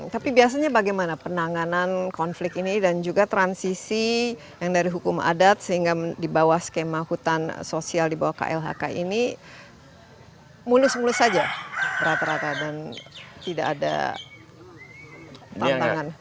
tapi biasanya bagaimana penanganan konflik ini dan juga transisi yang dari hukum adat sehingga di bawah skema hutan sosial di bawah klhk ini mulus mulus saja rata rata dan tidak ada tantangan